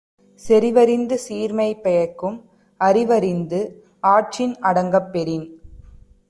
செறிவறிந்து சீர்மை பயக்கும் அறிவறிந்து ஆற்றின் அடங்கப் பெறின்